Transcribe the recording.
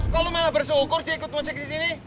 kok lu malah bersukur diikut ojek disini